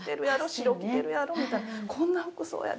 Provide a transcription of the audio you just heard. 「白着てるやろこんな服装やで」